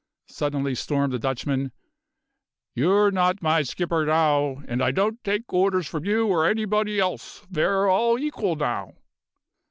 suddenly stormed the Dutchman. "You're nod my schibber now, and I don'd dake orders from you or anybody else. Ve're all equal now."